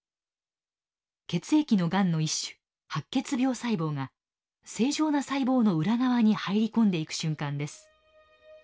血液のがんの一種白血病細胞が正常な細胞の裏側に入り込んでいく瞬間です。